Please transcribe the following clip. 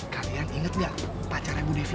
kalian inget gak upacara bu devi